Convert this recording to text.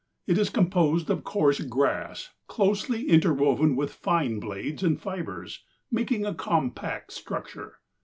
It is composed of coarse grass closely interwoven with fine blades and fibers, making a compact structure.